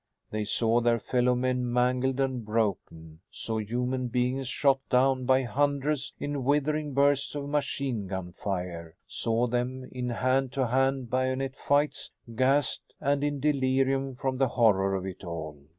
They saw their fellow men mangled and broken; saw human beings shot down by hundreds in withering bursts of machine gun fire; saw them in hand to hand bayonet fights; gassed and in delirium from the horror of it all.